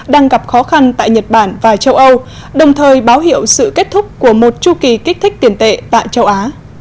đang gặp khó khăn tại nhật bản và châu âu đồng thời báo hiệu sự kết thúc của một chu kỳ kích thích tiền tệ tại châu á